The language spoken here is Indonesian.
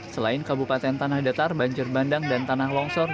selain kabupaten tanah datar banjir bandang dan tanah longsor